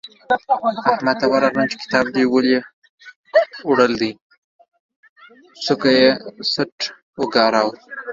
احمد ته ورغلم چې کتاب دې ولې وړل دی؛ سوکه یې څټ وګاراوو.